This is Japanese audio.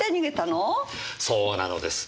そうなのです。